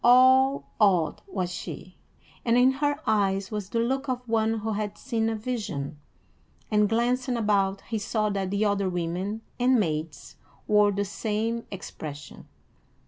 All awed was she, and in her eyes was the look of one who had seen a vision; and, glancing about, he saw that the other women and maids wore the same expression.